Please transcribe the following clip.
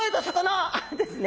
ですね。